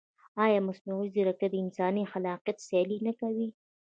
ایا مصنوعي ځیرکتیا د انساني خلاقیت سیالي نه کوي؟